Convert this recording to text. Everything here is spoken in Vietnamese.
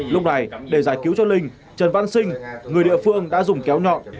lúc này để giải cứu cho linh trần văn sinh người địa phương đã dùng kéo nhọn